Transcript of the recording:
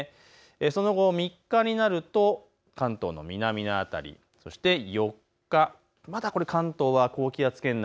その後、３日になると関東の南の辺り、そして４日、まだ関東は高気圧圏内。